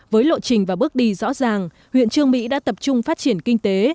với lộ trình và bước đi rõ ràng huyện trương mỹ đã tập trung phát triển kinh tế